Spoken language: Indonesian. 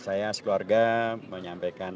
saya sekeluarga menyampaikan